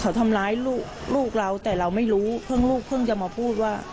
เขาทำร้ายลูกเราแต่เราไม่รู้เพิ่งลูกเพิ่งจะมาพูดว่า